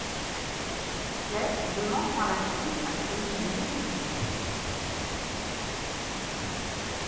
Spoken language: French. Clay demande par la suite à Quinn de l'épouser.